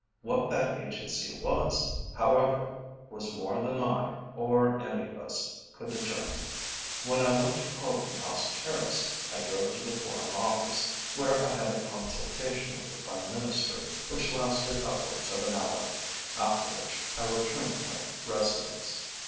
What that agency was, however, was more than I, or any one of us, could determine. When I left Carlton House Terrace I drove to the Foreign Office, where I had a consultation with the Prime Minister which lasted upwards of an hour, after which I returned to my residence.